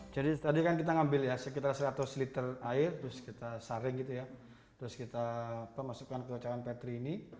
jadi tadi kan kita ngambil ya sekitar seratus liter air terus kita saring gitu ya terus kita pemasukkan ke kawasan petri ini